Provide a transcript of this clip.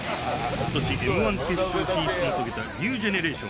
ことしＭー１決勝進出も決めたニュージェネレーション。